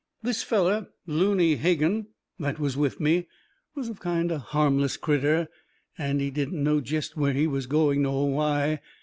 This feller Looney Hogan that was with me was a kind of a harmless critter, and he didn't know jest where he was going, nor why.